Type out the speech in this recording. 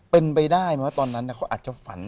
เป็นไปได้ไหมว่าตอนนั้นเขาอาจจะฝัน